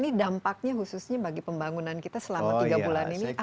ini dampaknya khususnya bagi pembangunan kita selama tiga bulan ini apa